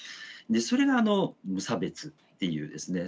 それが無差別っていうですね